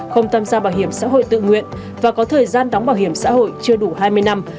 không tham gia bảo hiểm xã hội tự nguyện và có thời gian đóng bảo hiểm xã hội chưa đủ hai mươi năm